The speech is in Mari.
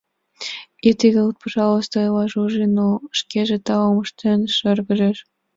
— Ит игылт, пожалуйста, — ойла Жужи, но шкеже таум ыштен шыргыжеш.